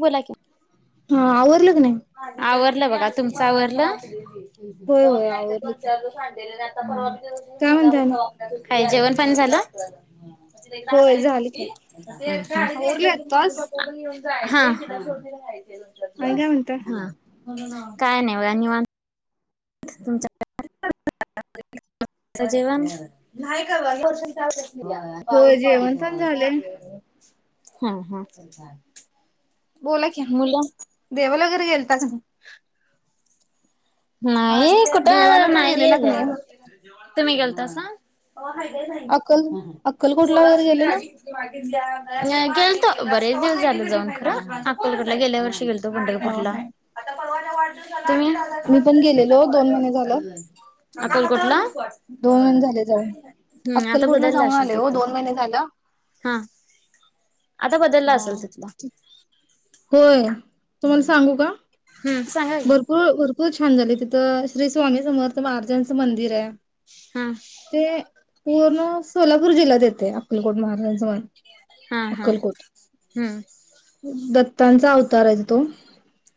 बोला कि. हा, आवरलं. की नाही आवर ल बघा, तुमचा आवरलं? [unintelligible] होय होय आवरलं दोन की चार [unintelligible] ह. [unintelligible] महिना भर तेव्हा काय आपल्यात म्हणता आणि हो काय, जेवण पाणी झालं? होय झालं की आवरले [unintelligible] मम्मी आत्ताच पप्पा पण येऊन हा. आणि काय म्हणताय? हा. काय नाही [unintelligible] निवान. तुमचं जेवण? [unintelligible] होय पाऊस पाणी जेवण पण झाले [unintelligible] हा हा. बोला कि, मुलं देवलाग गेलता [unintelligible] [unintelligible] नाही कुठे देवाला पण नाहीे गेलेला का नाही गेलं. तुम्ही गेलतासा? अक्कल [unintelligible] अक्कलकोटला वगैरे पोरास्नी गेलेला गाडी [unintelligible] [unintelligible] गेलतो बरेच दिवस झालं जाऊन खरं अक्कलकोटला गेल्या वर्षी गेलतो. [unintelligible] हा पंढरपुरला [unintelligible] हा [unintelligible] तुम्ही? मी गेलेलो दोन महिने झालं अक्कलकोटला. दोन महिने झाले जाऊन [unintelligible] हम आता अक्कलकोटला बदलला जाऊन असेल, आले ते हो दोन तर महिने झालं हा. हा आता बदलला असेल तिथलं. होय, तुम्हाला सांगू का? हम्म सांगा की भरपूर भरपूर छान झाली तिथं श्री स्वामी समर्थ महाराजांचं मंदिर आहे. हम्म ते पूर्ण सोला सोलापुर जिल्ह्यात येतयं अक्कलकोट महाराजांच मंदिर. हा हा अक्कलकोट हम्म दत्त त्यांचा अवतार आहे तो.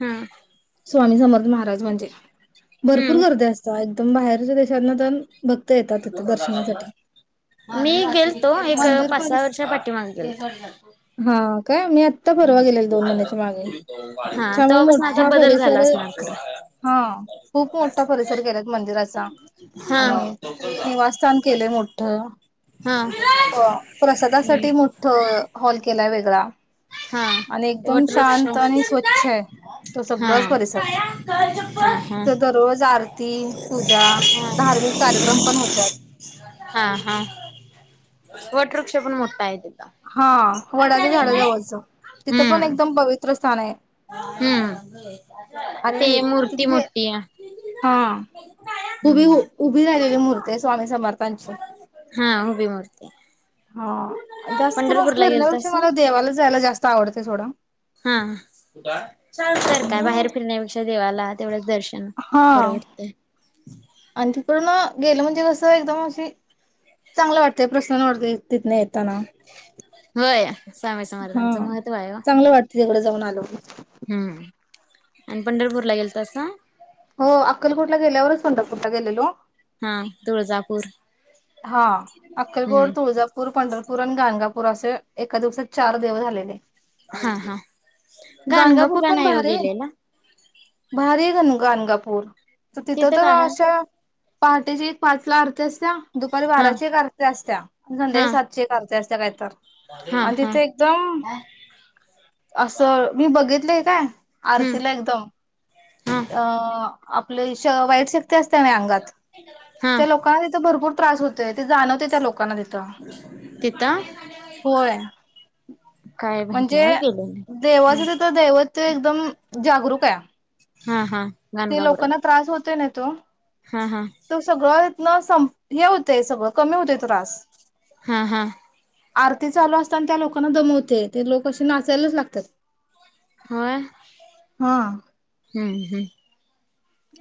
हम्म! स्वामी समर्थ महाराज म्हणजे भरपूर हम्म. गर्दी असत्या तर बाहेरच्या देशा तन मी गेलतो, एक मंदिर पाच सहा परिस वर्षा पाठीमाग गेलोतो. का मी आता पररवा गेलेलो, दोन महिन्याच्या माग हा त्यामुळे तवापासून आता मोठा बदल परिस झाला असणार खरं हा खूप मोठा परिसर केलाय मंदिराचा हा. आणि ते निवास स्थान केलेयं मोठ हा प्रसादासाठी मोठं हॉल केलाय बा [unintelligible] हा आणि एकदम वटवृक्ष शांत आणि स्वच्छ आहे त हा सगळंचं हा तिथे दररोज आरती, पूजा, धार्मिक कार्यक्रम पण होत्यात. हा हा वटवृक्ष पण मोठं हाय की. हां, वडाच्या झाडाजवळचं. तिथं पण हम्म एकदम पवित्र चान ए हम्म, ते आणि मूर्ती तिथे जे मोठी या. हा उभी व, उभी रालेले मूर्ती ए स्वामी सम् हां हूबी मूर्ती. हा जास्त करून पंढरपूरला फिरण्यापेक्षा गेलतासा मला देवाला जायला. जास्त आवडते थोडं हा ार काय हम्म. बाहेर फिरण्यापेक्षा देवाला तेवढ दर्शन हा बरं वाटतय. आणि तिकडून गेलं म्हणजे कसं एकदम अशी चांगलं वाटतय प्रसन्न वाटते तिथन येताना होय. स्वामी हा समर्थांचं महत्त्व आहे ओ चांगलं वाटत तिकडे जाऊन आल्यावर हम्म. आणि पंढरपूर ला गेल तस ना हो अक्कलकोट ला गेल्यावरच पंढरपूरला गेलेलो हा तुळजापूर हा अक्कलकोड हम्म तुळजापूर पंढरपूर आणि गाणगापूर अस. एका दिवसात चार देव झालेले. हा हा गाणगापूर गाणगापूरला पण नाही हो भारी गेलेलो. भारी आहे गाणगापूर तर तिथं तर काय हाय अशा पहाटेचे एक पाचला अर्थ असत्या दुपारी बाराची एक आरती असत्या आणि हा संध्याकाळी हा सात एक आरती जास्त काहीतरी हा आणि हा तिथे एकदम असं मी बघित. क का हम्म आरतीला एकदम हा अ अ. आपले वाईट शक्ती अंगात हा त्या लोकांना तिथे भरपूर त्रास होते ते जाणवते त्या लोकांना तिथं तिथं होय काय माहित नाही म्हणजे हो गेले देवाचे नाही दैवत ते एकदम जागरूक आहे. हा हा हा ते गाणगापुरात लोकांना त्रास होत ना तो हा हा तो सगळ पूर्ण संपतो. हे होतंय सगळं कमी होतोय त्रास हा हा आरती चालू असताना त्या लोकांना दमवतय ते लोक असे नाचायलाच लागतात. हा हा. हम्म हम्म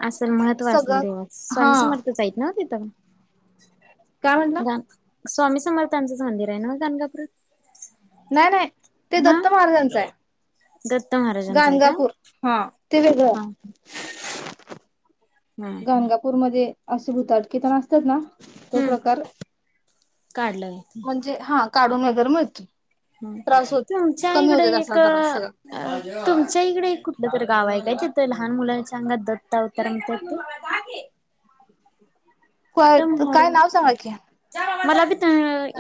असेल महत्त्व असेल सगळं देवाचं हा स्वामी समर्थच आहेत ना तिथं. काय म्हणला? गाण स्वामी समर्थांचंच मंदिर आहे ना म गानगापूरात. नाही नाही ते दत्त महाराजांच हा आहे दत्त महाराजांचं आहे का गाणगापूर हा. ते वेगळं. हा हम्म हम्म गाणगापूर मध्ये असे भूताट [inaudible] असतात ना. तो प्रकार काढलंय. म्हणजे हा काढून वगैरे मिळतो. त्रास होत तुमच्या कमी इकडे होतो त्याचा एक त्रास अ सगळा. तुमच्या इकडे एक् कुठलं तरी गाव आहे काय ते लहान मुलांच्या अंगात दत्त अवतार आणतात ते. व्हय कुठलं मोहर काय नाव सांगा की. मला बी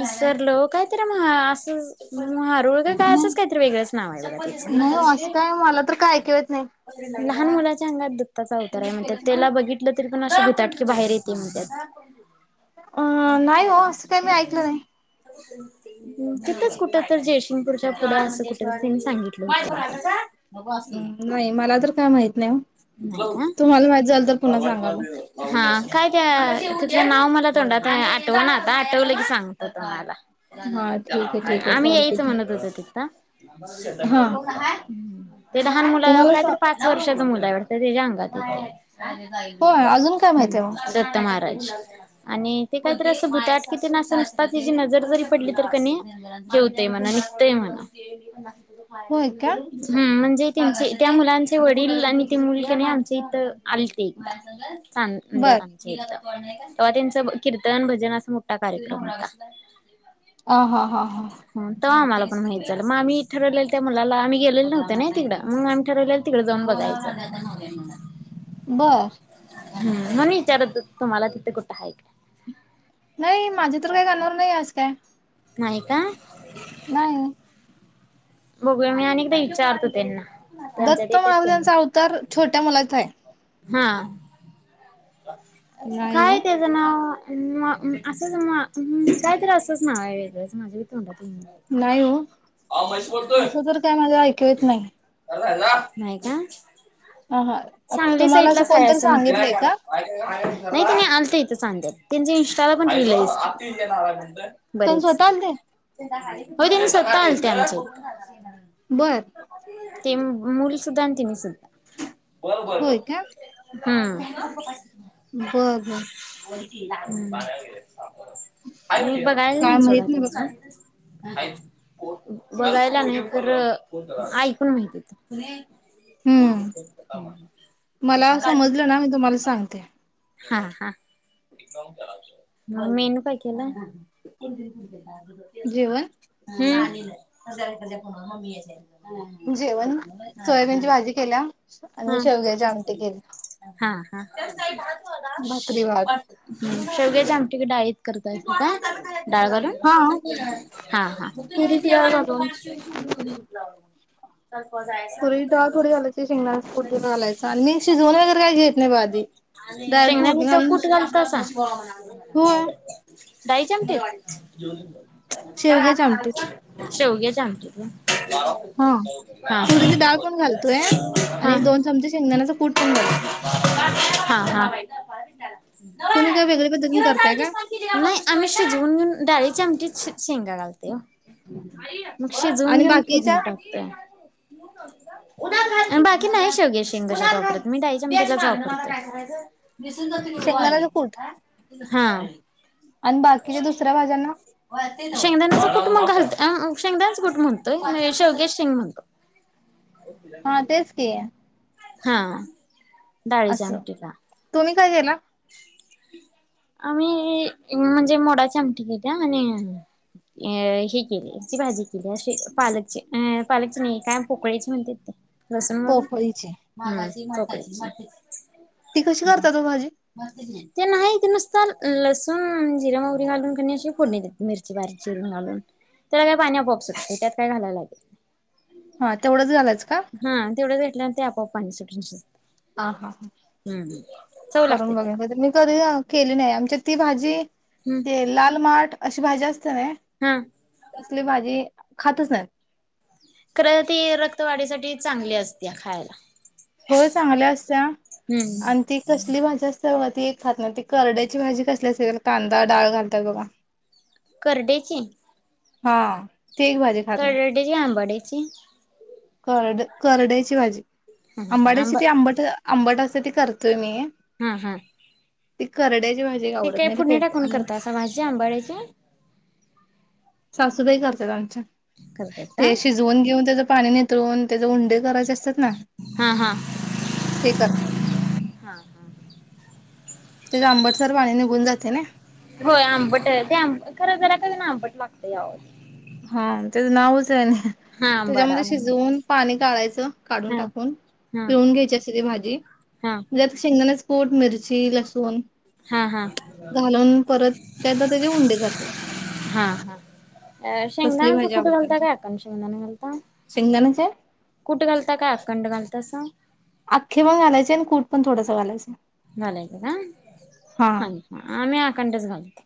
इसरलो काय तरी म असं [inaudible] का काय असंच नाही काहीतरी वेगळंच नाव आहे बघा नाही हो असं त्याचं. काय मला तर काय ऐकू येत नाही लहान मुलाच्या अंगात दत्ताचा अवतार आहे म्हणतात त्याला बघितलं तरी पण अशी भुताटकीे बाहेर येते म्हणतात. [inaudible] अं नाही हो असं काही मी ऐकलं नाही. तिथंच कुठं तर जयसिंगपूरच्या पुढे असं कुठं त्यांनी सांगितलं होतं. म् नाही मला तर काय माहित नाही ओ नाही का तुम्हाला माहित झालं तर पुन्हा सांगा मग. हा काय त्या तुझं नाव मला तोंडात आहे अ आठवणा आता आठवलं की सांगतो तुम्हाला. हा ठीक आहे ठीक आहे आम्ही चालते यायचं की म्हणत होतो तिथं हा ते लहान मुला तुम्हाला सा कायतर पाच वर्षाच मुल काय वाटतं त्याच्या अंगात येतंय. होय अजून काय हम् माहिती आहे मग दत्त मार आणि ते काहीतरी असं भुताटकी ते निस्त अस तिची नजर जरी पडली तरी की नाय हे होतंय म्हणं निघतय म्हणं. होय का हम् म्हणजे. चे त्या मुलांचे वडील आणि ती मुल की नाही आमच्या इथं आलते. [inaudible] बर आमचे तेव्हा त्यांचं कीर्तन भजन असं मोठा कार्यक्रम होता. अ हा हा हा मग माहित झालं मग आम्ही ठरवलेल्या त्या मुलाला आम्ही गेलेलो नव्हते ना तिकडं मग आम्ही ठठरवलेलं तिकडे जाऊन बघायचं. बरं. हम् म्हणुन विचारत होतो तुम्हाला तिथं कुठं हायसा? नाही. माझ्या तर काही कानावर नाही आस काय. नाही का? नाही. बघूया. मी अनेकदा विचारतो त्यांना? त्यांच्या दत्त देतात त्यांनी महाराजांचा अवतार छोट्या मुलाचा हाय. हा. नाही काय हो तेज नाव? म असंच म कायतरी असंच नाव हाय वेगळंच माझ्या बी तोंडात नाही हो आ मस [unintelligible] असं तर काय माझ ऐकू येत नाही. नाही का? ह हा सांगली तुम्हाला असं साईडलाच हाय कोणतरी म्हटलं. सांगितलंय का? नाही तेनी आलतं इथं चादयात त्यांच्या इंस्टाला पण रिल हाईत तुम्ही बरेच. स्वतः आणले? होय. तेनी स्वतः आलंते आमच्याहित- - बरं. ते मुल सुुद्धा आणि तिनी सुद्धा - - होय काय? हम्म. बर, बर. हं. मी बघायला काय नाही माहित सोडा बघ. त्यासनी बघायलागलित तर ऐकून माहिती हम्म. मला समजलं ना मी तुम्हाला सांगते. हा, हा. मेनू काय केेला? जेवण. हं. हो हां मी येते. जेवण सोयाबीनची भाजी केल्या आणि शेवग्याचे आमटी केली. त्यांत काय भात भाकरी भात. - - शेवग्याची आमटी डाळीत करतायस का? डाळ घालून. हा हा, हा. [inaudible] तुरीची डाळ घालून तुरीची डाळ थोडी घालायची शेंगदाण्याचा कूट जरा घालायचा आणि मी शिजवून वगैरे काय घेत नाही बघा आधी. आणि डायरेक्ट फोडणी शेंगदाण्याचा घालून कूट घालतासा होय डाळीची आमटी का शेवग्याच्या आमटीत शेवग्याच्या आमटीत [inaudible] हा तुरीची डाळ पण घालतोय आणि हा एक दोन चमचे शेंगदाणाचा कूट पण घालतोय हा हा काय वेगळ्या पद्धतीने करताय का? नाही आम्ही शिजवून घेऊन डाळीची आमटीत शेंगा घालतो ते शिजून आणि घेऊन फोडणी बाकीच्या टाकतोय बाकी नाही शेवगी शेंग कशात वापरत मी डाळीच्या आमटीलाच वापरतोय दिसून जात गरू शेंगदाण्याचा आली कूट हा आणि बाकीच्या दुसऱ्या भाज्यांना शेंगदाण्याचं कुट मग घालत अ शेंगदाानचं कुट म्हणतोय शेवग्याच्याशेंग म्हणतो हा तेच की हा डाळीच्या आमटीला का गेला आम्ही म्हणजे मोडाची आमटी केल्या आणि अ हे केलयं याची भाजी केली अशी पालकची अ पालकची नाही काय पोकळीची म्हणत्यात ती लसुन घालू पोफळीची हम्म पोकळ्याची ती कशी करतात ओ भाजी ते नाही नुसत लसूण, जिरा, मोहरी घालून कणी अशी फोडणी देतात मिरची बारीक चिरून घालून त्याला काय पाणी आपोआप सुटतात त्यात काय घालायला लागत नाही हा तेवढंच घालायचं का? हा तेवढं ते आपोआप पाणी सुटत हा हा चव लागते करून बघाय त्याला पाहिजे मी कधी केली नाही आमच्यात ती भाजी ते हम्म लाल माठ अशी भाज्या हा [unintelligible] असली भाजी खातच नाही खर ती रक्तवाढीसाठी चांगली असते खायला हो चांगलं असता हम्म आणि ती कसली भाजी असते चगवात एक खात ना ती करड्याची भाजी कसली असते तर कांदा डाळ घालतात बघा करडर्ई ची? हां करड डे ची आंबाडे जे [unintelligible] करड करडई ची भाजी. ह आंबाड्याची आंबा ते आंबट-आंबट अस.. तर ती करतोय मी. हा हा ते करडे.. ते काय फोडणी टाकून करता का भाजी आंबाड्याचे सासूबाई करतात आमच्या. करतायसा ते शिझवून घेऊन त्याचं.. पाणी ने नितळून त्याचे उंडे करायचे असतात ना हा हा ते करतात. हा हा त्याचं आंबटसर पाणी निघून जाते नाय. होय, आंबट ते आं खर जरा का ना आंबट लागतं यावं हं त्याचं नावच आहे आणि हा आंबाडा त्याच्यामध्ये शिजवून पाणी काढायचं काढून हा टाकून हा पिळुन घ्यायची असे ती भाजी हा म्हणजे शेंगदाण्याचं.. कुठ मिरची, लसूण हां हां घालून परत काय तर त्याचे उंडे करतात. अं तसली शेंगदाण्याचा भाजी कुट आवडतात. घालता ते. का अखंड शेंगदाणा घालता? शेंगदाण्याचे कुट घालता का अखंड? घालतासा? अख्खे पण घालायचे आणि कूट पण थोडासा घालायचं. घालायचं हा का? आम्ही अखंडच घालतो.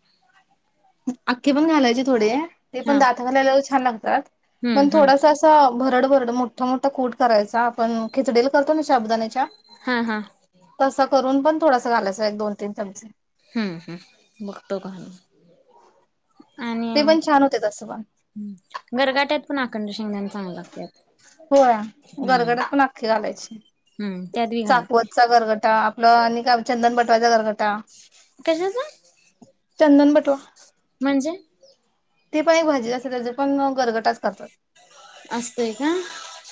अख्खे पण घालायचे थोडे ते हा पण दाता खाली.. छान लागतात. पण हम्म हम्म थोडासं असं. भरड-भरड, मोठं-मोठं कूट करायचा आपण खिचडीला करतो ना तसं साबुदाण्याचा हा हा तस [unintelligible] वरून पण थोडासा घालायचा एक, दोन, तीन चमचे. हम्म हम् बगतो घालून का आणि ते पण छान होते तसं पण गरगाट्यात पण.. अखंड शेंगदाणे चांगलं लागतेय. होय, गरगटाला पण आख्खी घालायची, हम्म त्यात बी घाल चाकवतचा गरगटा. आपलं आणि चंदनबटवाच्या गरग कश्याचं? चंदन बटवा. म्हणजे? ते पण एक भाजी असते, त्याचे पण गरगटाच करतात असतय का?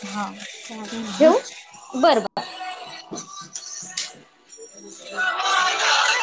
हा चालतंय ठेवू? बरं बर. [inaudible] [inaudible]